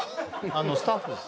あのスタッフです